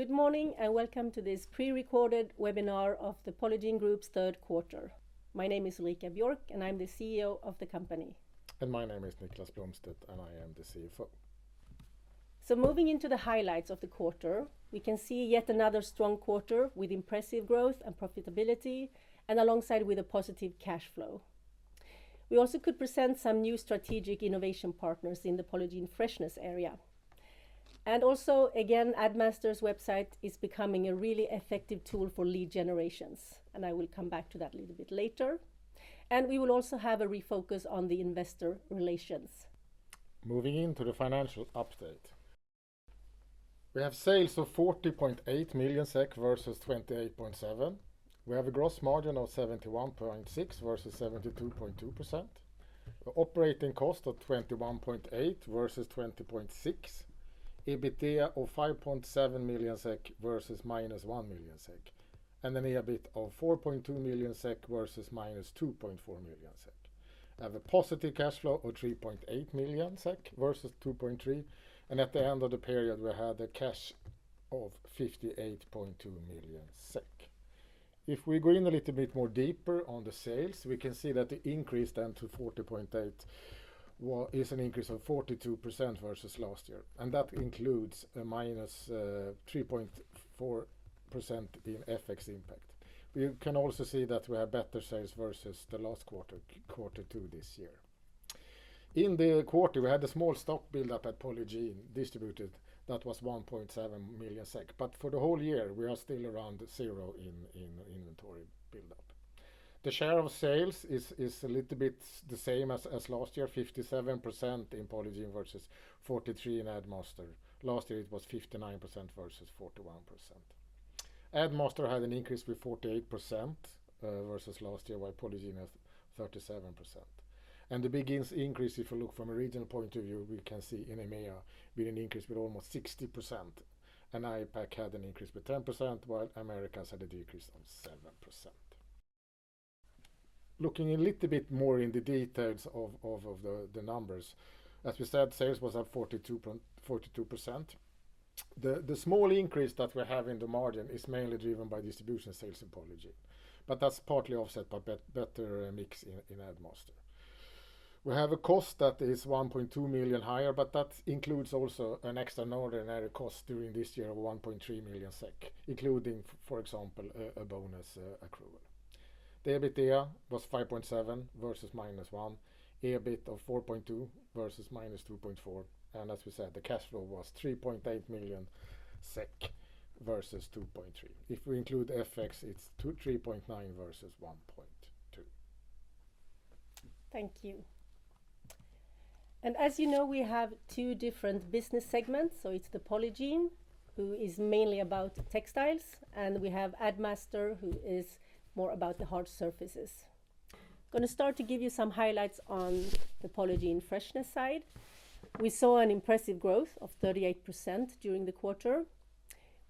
Good morning, and welcome to this pre-recorded webinar of the Polygiene Group's Third Quarter. My name is Ulrika Björk, and I'm the CEO of the company. My name is Niklas Blomstedt, and I am the CFO. So moving into the highlights of the quarter, we can see yet another strong quarter with impressive growth and profitability, and alongside with a positive cash flow. We also could present some new strategic innovation partners in the Polygiene Freshness area. And also, again, Addmaster's website is becoming a really effective tool for lead generations, and I will come back to that a little bit later. And we will also have a refocus on the investor relations. Moving into the financial update. We have sales of 40.8 million SEK versus 28.7. We have a gross margin of 71.6% versus 72.2%. Operating cost of 21.8 versus 20.6, EBITDA of 5.7 million SEK versus minus 1 million SEK, and an EBIT of 4.2 million SEK versus minus 2.4 million SEK, and a positive cash flow of 3.8 million SEK versus 2.3, and at the end of the period, we had a cash of 58.2 million SEK. If we go in a little bit more deeper on the sales, we can see that the increase then to 40.8%, is an increase of 42% versus last year, and that includes a minus 3.4% in FX impact. We can also see that we have better sales versus the last quarter, quarter two this year. In the quarter, we had a small stock build-up at Polygiene Distribution. That was 1.7 million SEK, but for the whole year, we are still around zero in inventory build-up. The share of sales is a little bit the same as last year, 57% in Polygiene versus 43% in Addmaster. Last year, it was 59% versus 41%. Addmaster had an increase with 48% versus last year, while Polygiene has 37%. And the biggest increase, if you look from a regional point of view, we can see in EMEA, with an increase with almost 60%, and APAC had an increase by 10%, while Americas had a decrease of 7%. Looking a little bit more in the details of the numbers, as we said, sales was at 42%. The small increase that we have in the margin is mainly driven by distribution sales in Polygiene, but that's partly offset by better mix in Addmaster. We have a cost that is 1.2 million higher, but that includes also an extraordinary cost during this year of 1.3 million SEK, including, for example, a bonus accrual. The EBITDA was 5.7 versus -1, EBIT of 4.2 versus -2.4, and as we said, the cash flow was 3.8 million SEK versus 2.3. If we include FX, it's 3.9 versus 1.2. Thank you. And as you know, we have two different business segments, so it's the Polygiene, who is mainly about textiles, and we have Addmaster, who is more about the hard surfaces. Gonna start to give you some highlights on the Polygiene Freshness side. We saw an impressive growth of 38% during the quarter.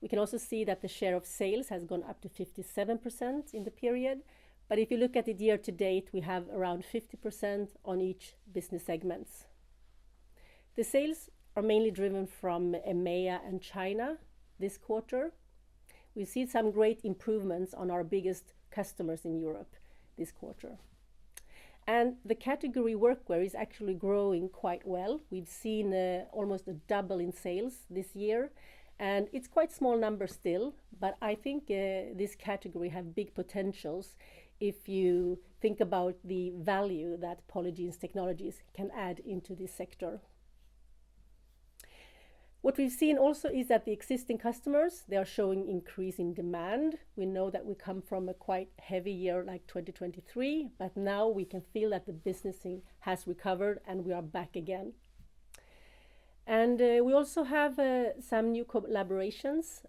We can also see that the share of sales has gone up to 57% in the period, but if you look at it year to date, we have around 50% on each business segments. The sales are mainly driven from EMEA and China this quarter. We see some great improvements on our biggest customers in Europe this quarter. And the category workwear is actually growing quite well. We've seen almost a double in sales this year, and it's quite small number still, but I think this category have big potentials if you think about the value that Polygiene's technologies can add into this sector. What we've seen also is that the existing customers, they are showing increasing demand. We know that we come from a quite heavy year, like 2023, but now we can feel that the business has recovered, and we are back again. And we also have some new collaborations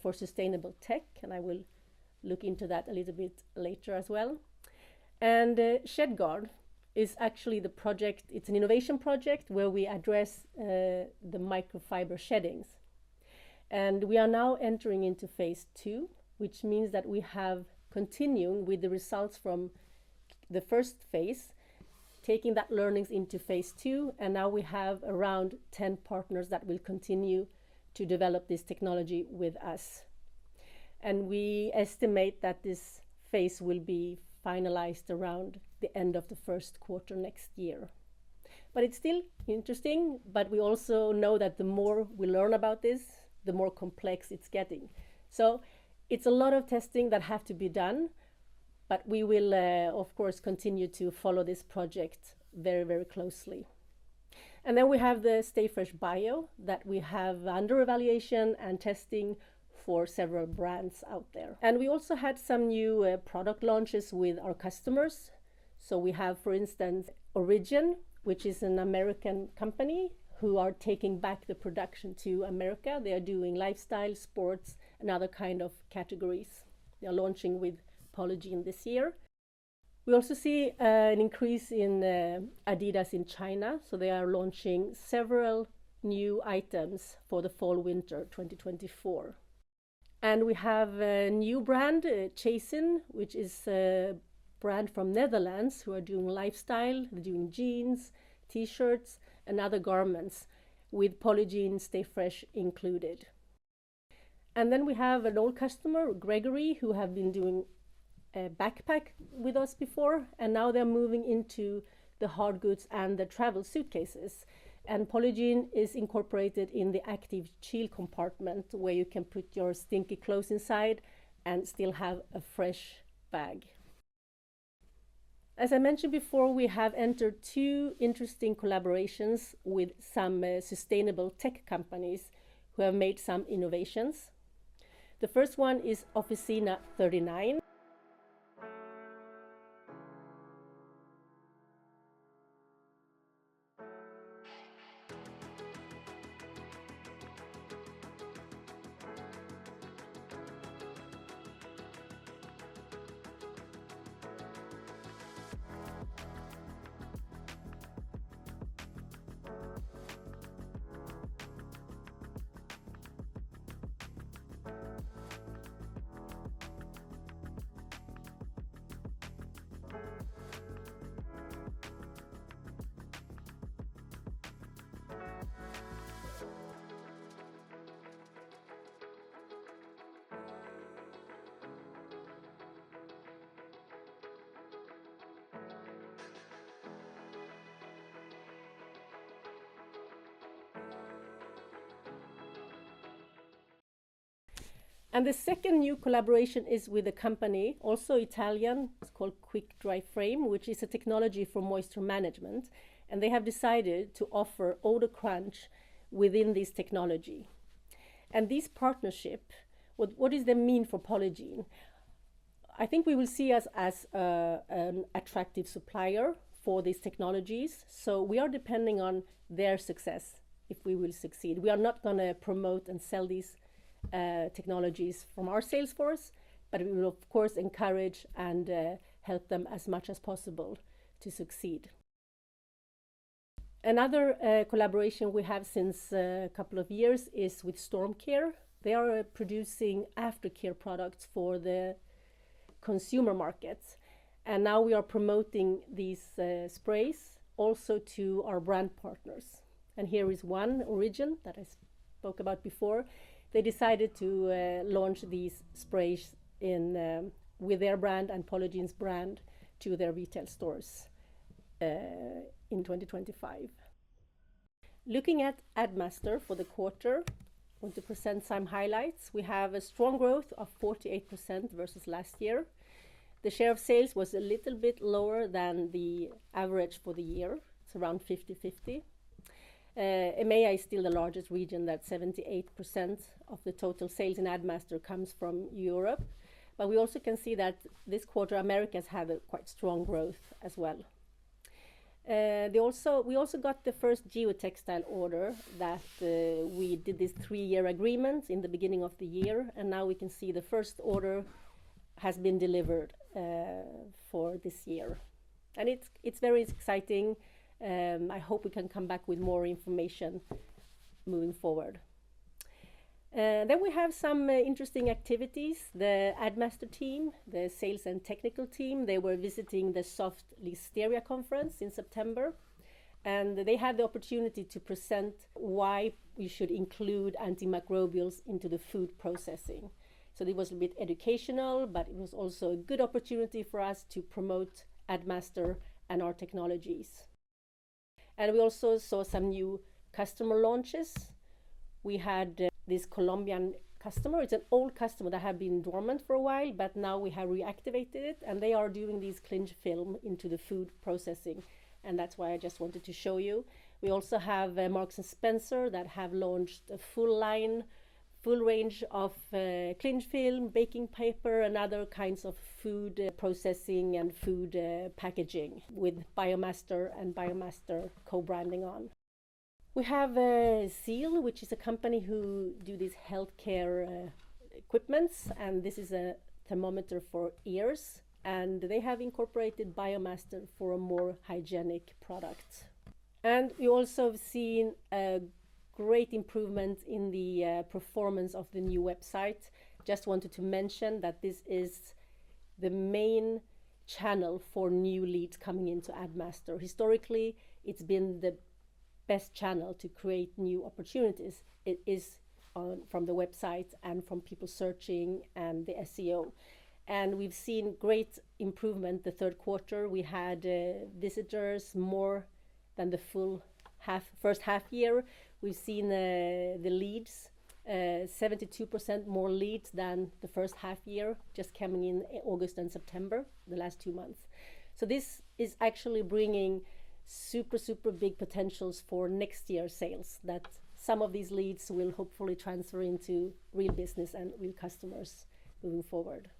for sustainable tech, and I will look into that a little bit later as well. And ShedGuard is actually the project. It's an innovation project where we address the microfiber sheddings. And we are now entering into phase II, which means that we have continued with the results from the first phase, taking that learnings into phase II, and now we have around 10 partners that will continue to develop this technology with us. And we estimate that this phase will be finalized around the end of the first quarter next year. But it's still interesting, but we also know that the more we learn about this, the more complex it's getting. So it's a lot of testing that have to be done, but we will, of course, continue to follow this project very, very closely. And then we have the StayFresh BIO, that we have under evaluation and testing for several brands out there. And we also had some new, product launches with our customers. So we have, for instance, Origin, which is an American company, who are taking back the production to America. They are doing lifestyle, sports, and other kind of categories. They are launching with Polygiene this year. We also see an increase in Adidas in China, so they are launching several new items for the fall/winter 2024. And we have a new brand, Chasin', which is a brand from Netherlands, who are doing lifestyle, doing jeans, T-shirts, and other garments with Polygiene StayFresh included. And then we have an old customer, Gregory, who have been doing backpack with us before, and now they're moving into the hard goods and the travel suitcases. And Polygiene is incorporated in the ActiveShield compartment, where you can put your stinky clothes inside and still have a fresh bag. As I mentioned before, we have entered two interesting collaborations with some sustainable tech companies who have made some innovations. The first one is Officina39 and the second new collaboration is with a company, also Italian. It's called Quickdry Frame, which is a technology for moisture management, and they have decided to offer OdorCrunch within this technology and this partnership, what does it mean for Polygiene? I think we will see us as attractive supplier for these technologies, so we are depending on their success if we will succeed. We are not gonna promote and sell these technologies from our sales force, but we will, of course, encourage and help them as much as possible to succeed. Another collaboration we have since a couple of years is with Storm Care. They are producing aftercare products for the consumer markets, and now we are promoting these sprays also to our brand partners, and here is one, Origin, that I spoke about before. They decided to launch these sprays with their brand and Polygiene's brand to their retail stores in 2025 Looking at Addmaster for the quarter, with some highlights, we have a strong growth of 48% versus last year. The share of sales was a little bit lower than the average for the year. It's around 50/50. EMEA is still the largest region, that 78% of the total sales in Addmaster comes from Europe. But we also can see that this quarter, Americas have a quite strong growth as well. We also got the first geotextile order that we did this three-year agreement in the beginning of the year, and now we can see the first order has been delivered for this year. And it's very exciting. I hope we can come back with more information moving forward. Then we have some interesting activities. The Addmaster team, the sales and technical team, they were visiting the SOFHT Conference in September, and they had the opportunity to present why we should include antimicrobials into the food processing. So it was a bit educational, but it was also a good opportunity for us to promote Addmaster and our technologies. And we also saw some new customer launches. We had this Colombian customer. It's an old customer that had been dormant for a while, but now we have reactivated it, and they are doing this cling film into the food processing, and that's why I just wanted to show you. We also have Marks & Spencer that have launched a full line, full range of cling film, baking paper, and other kinds of food processing and food packaging with Biomaster and Biomaster co-branding on. We have Sejoy, which is a company who do this healthcare equipment, and this is a thermometer for ears, and they have incorporated Biomaster for a more hygienic product. We also have seen a great improvement in the performance of the new website. Just wanted to mention that this is the main channel for new leads coming into Addmaster. Historically, it's been the best channel to create new opportunities. It is from the website and from people searching and the SEO. And we've seen great improvement. The third quarter, we had visitors more than the full half, first half year. We've seen the leads 72% more leads than the first half year, just coming in August and September, the last two months. So this is actually bringing super, super big potentials for next year's sales, that some of these leads will hopefully transfer into real business and real customers moving forward.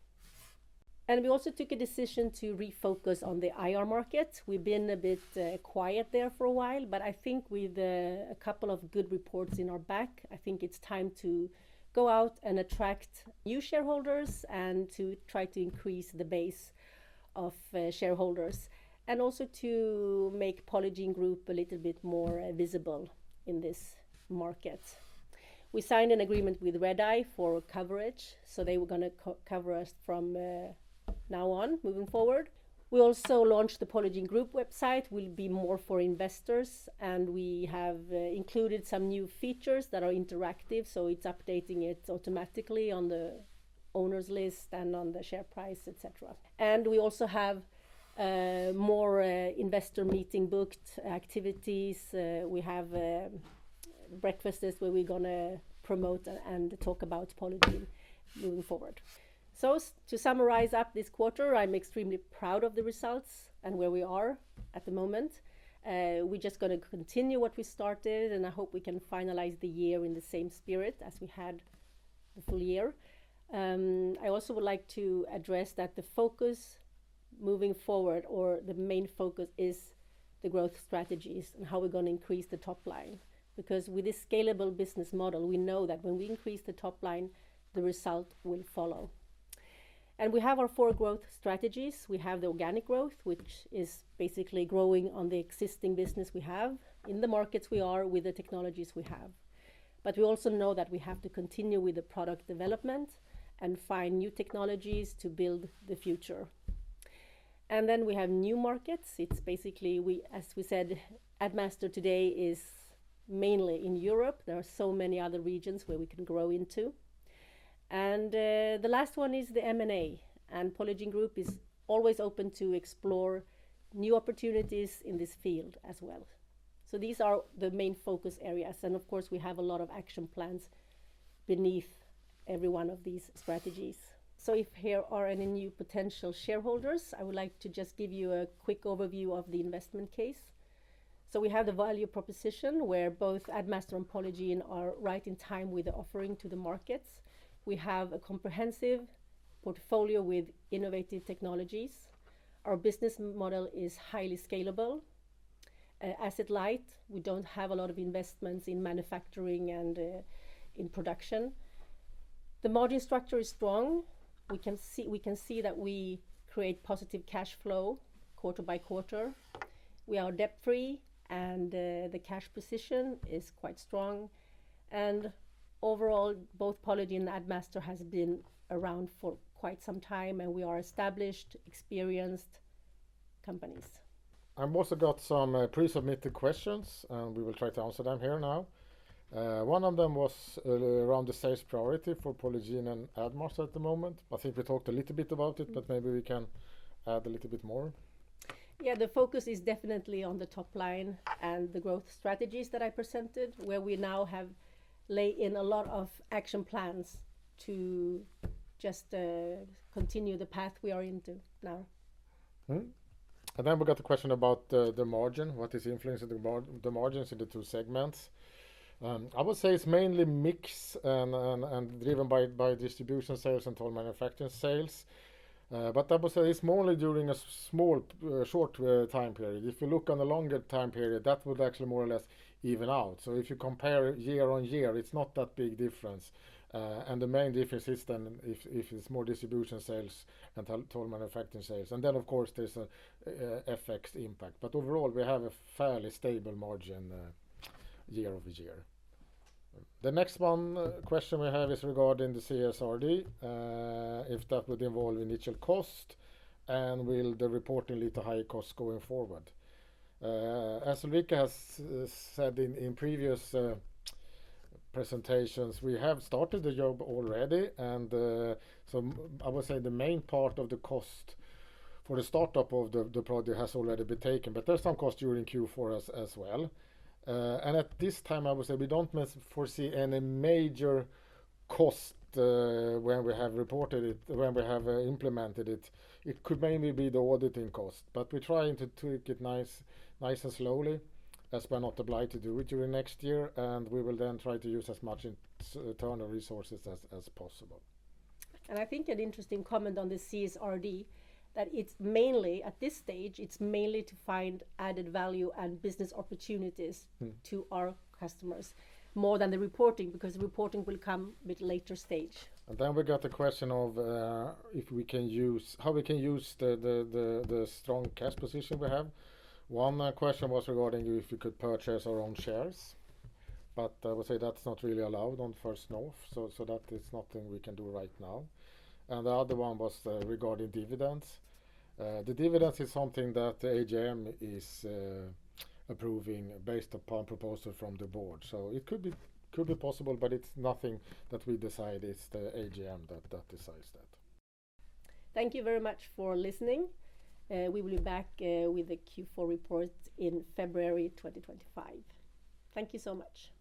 And we also took a decision to refocus on the IR market. We've been a bit quiet there for a while, but I think with a couple of good reports in our back, I think it's time to go out and attract new shareholders and to try to increase the base of shareholders, and also to make Polygiene Group a little bit more visible in this market. We signed an agreement with Redeye for coverage, so they were going to co-cover us from now on, moving forward. We also launched the Polygiene Group website, will be more for investors, and we have included some new features that are interactive, so it's updating it automatically on the owners list and on the share price, et cetera. And we also have more investor meeting booked, activities. We have breakfasts where we're gonna promote and talk about Polygiene moving forward. So to summarize up this quarter, I'm extremely proud of the results and where we are at the moment. We just gonna continue what we started, and I hope we can finalize the year in the same spirit as we had the full year. I also would like to address that the focus moving forward, or the main focus is the growth strategies and how we're gonna increase the top line. Because with this scalable business model, we know that when we increase the top line, the result will follow. And we have our four growth strategies. We have the organic growth, which is basically growing on the existing business we have in the markets we are with the technologies we have. But we also know that we have to continue with the product development and find new technologies to build the future. And then we have new markets. It's basically, we as we said, Addmaster today is mainly in Europe. There are so many other regions where we can grow into. And, the last one is the M&A, and Polygiene Group is always open to explore new opportunities in this field as well. So these are the main focus areas, and of course, we have a lot of action plans beneath every one of these strategies. So if there are any new potential shareholders, I would like to just give you a quick overview of the investment case. So we have the value proposition, where both Addmaster and Polygiene are right in time with the offering to the markets. We have a comprehensive portfolio with innovative technologies. Our business model is highly scalable. Asset light, we don't have a lot of investments in manufacturing and, in production. The margin structure is strong. We can see that we create positive cash flow quarter by quarter. We are debt-free, and the cash position is quite strong. Overall, both Polygiene and Addmaster has been around for quite some time, and we are established, experienced companies. I've also got some pre-submitted questions, and we will try to answer them here now. One of them was around the sales priority for Polygiene and Addmaster at the moment. I think we talked a little bit about it- Mm-hmm. But maybe we can add a little bit more. Yeah, the focus is definitely on the top line and the growth strategies that I presented, where we now have laid in a lot of action plans to just continue the path we are on now. And then we got a question about the margin, what is influencing the margins in the two segments? I would say it's mainly mix, and driven by distribution sales and total manufacturing sales. But I would say it's more during a small, short time period. If you look on the longer time period, that would actually more or less even out. So if you compare year on year, it's not that big difference. And the main difference is then if it's more distribution sales and total manufacturing sales, and then, of course, there's a FX impact. But overall, we have a fairly stable margin year-over-year. The next one, question we have is regarding the CSRD, if that would involve initial cost, and will the reporting lead to higher costs going forward? As Ulrika has said in previous presentations, we have started the job already, and so I would say the main part of the cost for the startup of the project has already been taken, but there's some cost during Q4 as well. And at this time, I would say we don't must foresee any major cost, when we have reported it, when we have implemented it. It could mainly be the auditing cost, but we're trying to tweak it nice and slowly, as we are not obliged to do it during next year, and we will then try to use as much internal resources as possible. I think an interesting comment on the CSRD, that it's mainly, at this stage, it's mainly to find added value and business opportunities. Mm-hmm. to our customers, more than the reporting, because reporting will come a bit later stage. And then we got a question of if we can use how we can use the strong cash position we have. One question was regarding if we could purchase our own shares, but I would say that's not really allowed on First North, so that is nothing we can do right now. And the other one was regarding dividends. The dividends is something that AGM is approving based upon proposal from the board. So it could be possible, but it's nothing that we decide. It's the AGM that decides that. Thank you very much for listening. We will be back with the Q4 report in February 2025. Thank you so much.